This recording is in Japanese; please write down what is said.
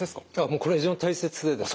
これ非常に大切でですね